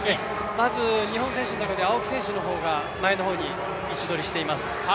まず日本人選手の中で青木選手の方が前の方に位置取りしています。